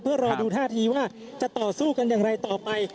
เพื่อรอดูท่าทีว่าจะต่อสู้กันอย่างไรต่อไป